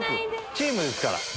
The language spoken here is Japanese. チームですから。